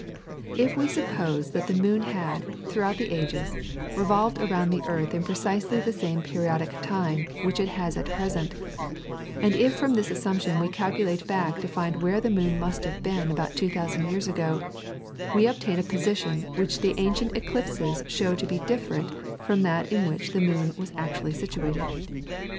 If we suppose that the moon had, throughout the ages, revolved around the earth in precisely the same periodic time which it has at present, and if from this assumption we calculate back to find where the moon must have been about two thousand years ago, we obtain a position which the ancient eclipses show to be different from that in which the moon was actually situated.